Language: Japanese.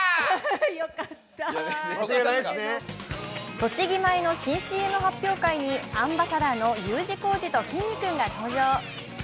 栃木米の新ＣＭ発表会に、アンバサダーのＵ字工事ときんに君が登場。